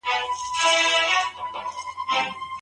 په ورين تندي ورکړه کول څه ګټه لري؟